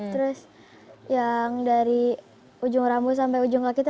terus yang dari ujung rambut sampai ujung kaki terpaksa